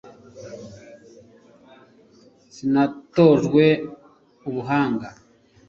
sinatojwe ubuhanga